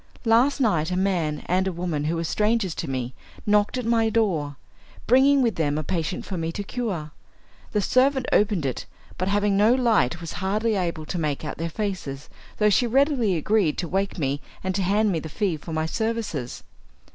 Last night a man and a woman who were strangers to me knocked at my door, bringing with them a patient for me to cure. The servant opened it, but having no light was hardly able to make out their faces, though she readily agreed to wake me and to hand me the fee for my services.